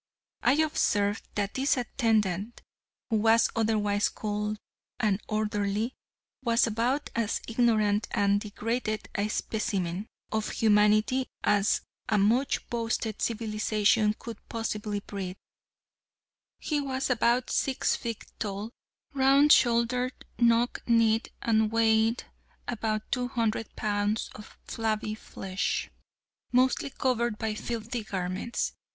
I observed that this attendant, who was otherwise called an orderly, was about as ignorant and degraded a specimen of humanity as a much boasted civilization could possibly breed. He was about six feet tall, round shouldered, knock kneed, and weighed about two hundred pounds of flabby flesh, mostly covered by filthy garments.